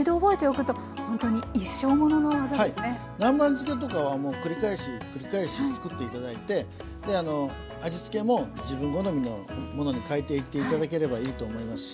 南蛮漬けとかはもう繰り返し繰り返し作っていただいて味付けも自分好みのものに変えていっていただければいいと思いますし